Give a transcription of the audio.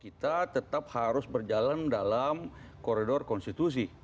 kita tetap harus berjalan dalam koridor konstitusi